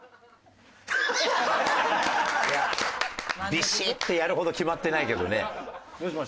ビシッてやるほど決まってないけどね。